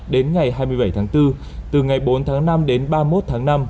đến ngày hai mươi bảy tháng bốn từ ngày bốn tháng năm đến ba mươi một tháng năm